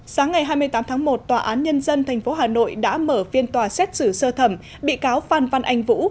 sáng ngày hai mươi tám tháng một tòa án nhân dân tp hà nội đã mở phiên tòa xét xử sơ thẩm bị cáo phan văn anh vũ